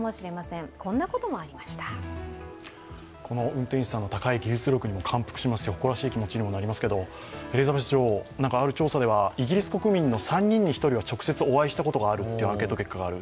運転士さんの高い技術力に感服しますし、誇らしい気持ちにもなりますけれどもエリザベス女王、ある調査ではイギリス国民の３人に１人は直接お会いしたことがあるというアンケート結果がある。